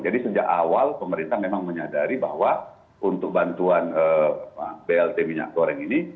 jadi sejak awal pemerintah memang menyadari bahwa untuk bantuan plt minyak goreng ini